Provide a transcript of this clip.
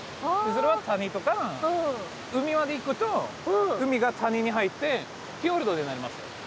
それは谷とか海まで行くと海が谷に入ってフィヨルドになりますよ。